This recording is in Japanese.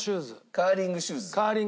カーリングシューズ。